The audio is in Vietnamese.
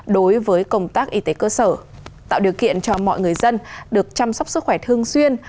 đối với công tác y tế cơ sở tạo điều kiện cho mọi người dân được chăm sóc sức khỏe thương xuyên